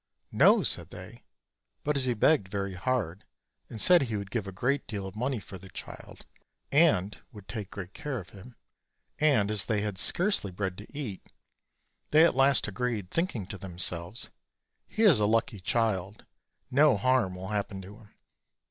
"No," said they; but as he begged very hard, and said he would give a great deal of money for the child, and would take great care of him, and as they had scarcely bread to eat, they at last agreed, thinking to themselves, "He is a lucky child; no harm will happen to him."